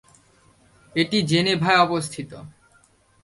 এটি জেনেভায় অবস্থিত।